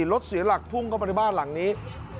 รถเสียหลักพุ่งเข้ามาในบ้านหลังนี้